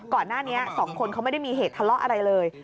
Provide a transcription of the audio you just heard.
ก่อนหน้านี้๒คนเขาไม่ได้มีเหตุทะเลาะอะไรเลย